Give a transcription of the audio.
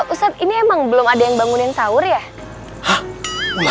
ustadz ini emang belum ada yang bangunin sahur ya